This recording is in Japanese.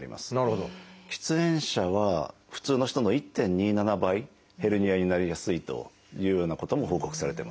喫煙者は普通の人の１．２７倍ヘルニアになりやすいというようなことも報告されてます。